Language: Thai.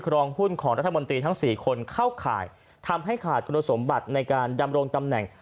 รองหุ้นของรัฐมนตรีทั้งสี่คนเข้าข่ายทำให้ขาดคุณสมบัติในการดำรงตำแหน่ง